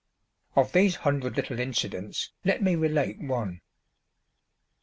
Of these hundred little incidents let me relate one.